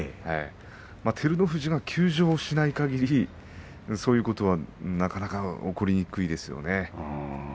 照ノ富士が休場しないかぎりそういうことはなかなか起こりにくいですよね。